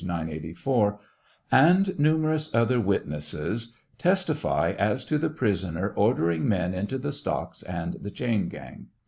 984,) and numerous other witnesses, tes tify as to the prisoner ordering men into the stocks and the chain gang.